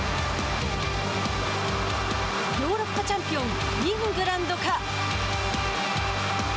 ヨーロッパチャンピオンイングランドか。